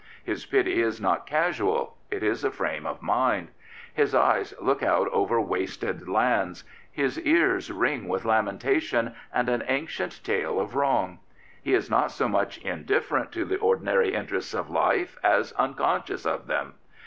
His pity is not casual; it is a frame of mind. His eyes look out over wasted lands; his ears ring with lamentation 190 General Booth and an ancient tale of wrong. He is not so much indifferent to the ordinary interests of life as un conscious of them.